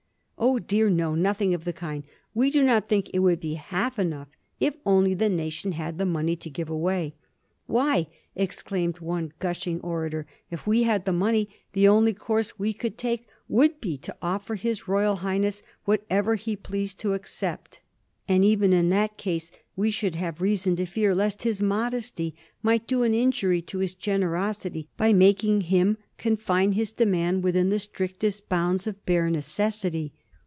Oh dear, no ; nothing of the kind ; we do not think it would be half enough if only the nation had the money to give away. " Why," exclaimed one gushing orator, " if we had the money the only course we could take would be to offer his Royal Highness whatever he pleased to accept, and even in that case we should have reason to fear lest his modesty might do an injuiy to his generosity by making him confine his demand within the strictest bounds of bare necessity."